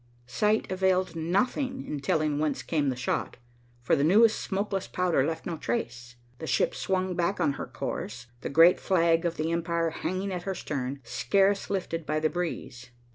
Sight availed nothing in telling whence came the shot, for the newest smokeless powder left no trace. The ship swung back on her course, the great flag of the Empire hanging at her stern, scarce lifted by the breeze.